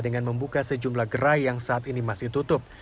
dengan membuka sejumlah gerai yang saat ini masih tutup